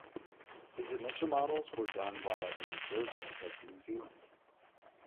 His initial models were done while at the Reserve Bank of New Zealand.